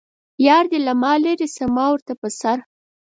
یار دې له ما لرې شه ما ورته په سر.